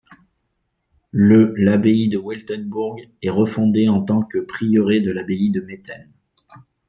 Le l'abbaye de Weltenbourg est refondée en tant que prieuré de l'abbaye de Metten.